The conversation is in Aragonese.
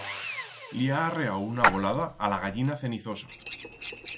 Li ha arreau una volada a la gallina cenizosa.